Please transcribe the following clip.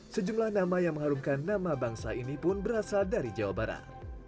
sejumlah nama yang mengharumkan nama bangsa ini pun berasal dari jawa barat